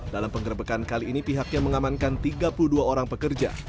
dalam penggerbekan kali ini pihaknya mengamankan tiga puluh dua orang pekerja